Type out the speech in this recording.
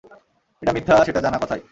এটা মিথ্যা সেটা জানা কথাই!